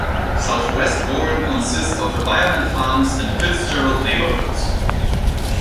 Southwest Warren consists of the Beierman Farms and Fitzgerald neighborhoods.